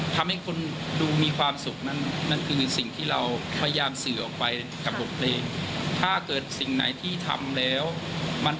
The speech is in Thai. ทำให้คนดูมีความสุขนั้น